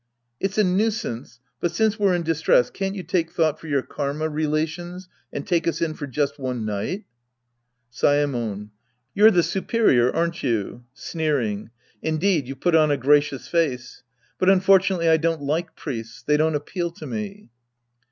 It's a nuisance, but since we're in distress, can't you take thought for your karma relations and take us in for just one night ? Saemon. You're the superior, aren't you ? {Sneer ing.) Indeed you've put on a gracious face. But unfortunately I don't like priests. They don't appeal to me.